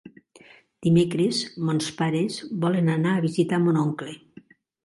Dimecres mons pares volen anar a visitar mon oncle.